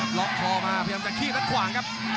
ล็อกคอมาพยายามจะขี้และขวางครับ